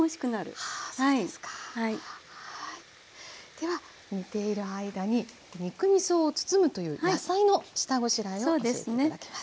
では煮ている間に肉みそを包むという野菜の下ごしらえを教えて頂きます。